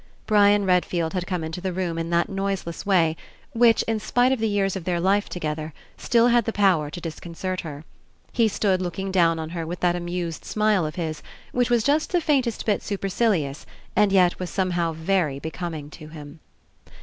Brian Redfield had come into the room in that noiseless way which, in spite, of the years of their life together, still had the power to disconcert her. He stood looking down on her with that amused smile of his, which was just the faintest bit supercilious and yet was somehow very becoming to him.